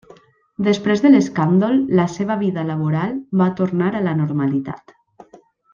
Després de l'escàndol, la seva vida laboral va tornar a la normalitat.